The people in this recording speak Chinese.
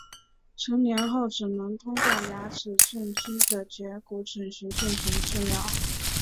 成年后只能通过牙齿正畸和截骨整形进行治疗。